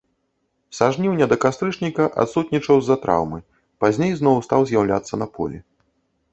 Са жніўня да кастрычніка адсутнічаў з-за траўмы, пазней зноў стаў з'яўляцца на полі.